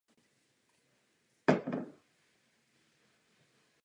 Byla proto snaha soustředit tato rozptýlená pracoviště na jedno místo.